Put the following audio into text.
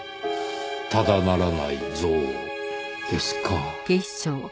ただならない憎悪ですか。